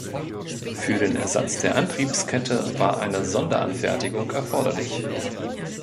Für den Ersatz der Antriebskette war eine Sonderanfertigung erforderlich.